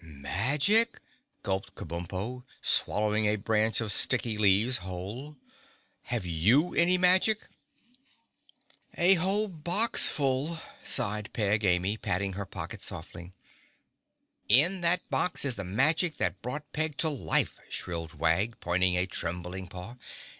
"Magic?" gulped Kabumpo, swallowing a branch of sticky leaves whole. "Have you any magic?" "A whole box full," sighed Peg Amy, patting her pocket softly. "In that box is the magic that brought Peg to life!" shrilled Wag, pointing a trembling paw.